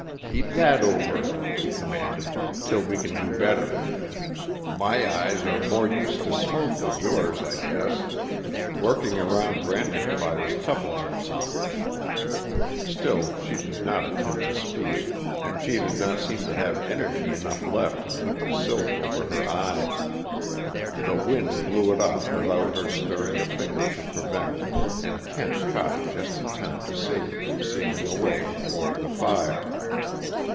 "Keep that over 'em," he commanded, "till we can do better. My eyes are more used to smoke than yours, I guess. Working around branding fires toughens 'em some." Still she did not attempt to speak, and she did not seem to have energy enough left to keep the silk over her eyes. The wind blew it off without her stirring a finger to prevent, and Kent caught it just in time to save it from sailing away toward the fire.